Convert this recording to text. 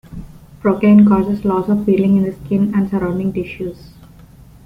Procaine causes loss of feeling in the skin and surrounding tissues.